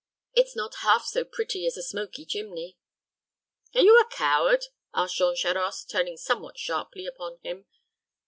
It's not half so pretty as a smoky chimney." "Are you a coward?" asked Jean Charost, turning somewhat sharply upon him.